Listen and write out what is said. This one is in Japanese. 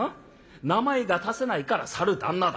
名前が指せないからさる旦那だ。